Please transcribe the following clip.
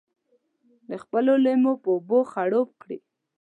د خپلو لېمو په اوبو خړوب کړي.